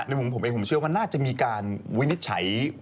มุมผมเองผมเชื่อว่าน่าจะมีการวินิจฉัย